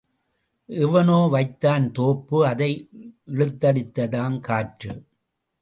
எவனோ வைத்தான் தோப்பு அதை இழுத்தடித்ததாம் காற்று.